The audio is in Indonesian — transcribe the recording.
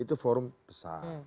itu forum besar